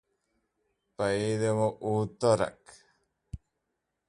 His death marked the start of the decline of the Aq Qoyunlu.